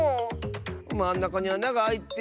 まんなかにあながあいてるよね。